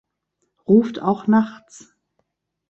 Ruft auch nachts.